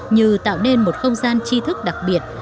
như tạo nên một không gian chi thức đặc biệt